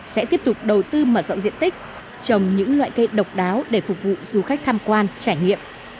sẽ tiếp tục đầu tư mở rộng diện tích trồng những loại cây độc đáo để phục vụ du khách tham quan trải nghiệm